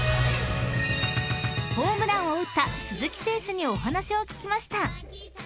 ［ホームランを打った鈴木選手にお話を聞きました］